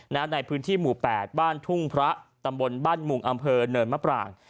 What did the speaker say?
ในพื้นที่หมู่๘บ้านทุ่งพระตำบลบ้านมุงอำเภอเนินมะปราง